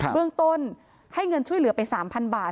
เบื้องต้นให้เงินช่วยเหลือไป๓๐๐บาท